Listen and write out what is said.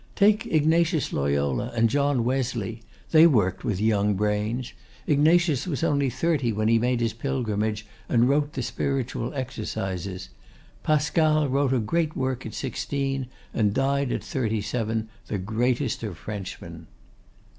Take Ignatius Loyola and John Wesley, they worked with young brains. Ignatius was only thirty when he made his pilgrimage and wrote the "Spiritual Exercises." Pascal wrote a great work at sixteen, and died at thirty seven, the greatest of Frenchmen.